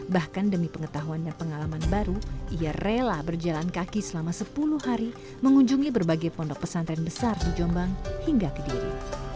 bahkan demi pengetahuan dan pengalaman baru ia rela berjalan kaki selama sepuluh hari mengunjungi berbagai pondok pesantren besar di jombang hingga kediri